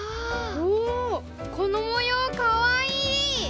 おおこのもようかわいい！